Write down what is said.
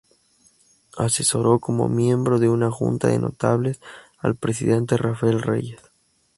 Asesoró, como miembro de una junta de notables, al presidente Rafael Reyes.